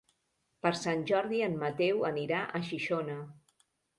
Per Sant Jordi en Mateu anirà a Xixona.